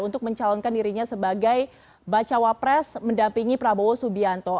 untuk mencalonkan dirinya sebagai bacawa pres mendampingi prabowo subianto